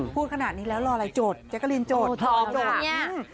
พูดขนาดนี้แล้วรออะไรโจทย์แจ๊กกะลินโจทย์โจทย์โจทย์นี้อืม